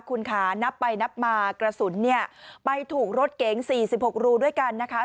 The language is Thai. คุณขานับไปนับมากระสุนเนี่ยไปถูกรถเก๋ง๔๖รูด้วยกันนะคะ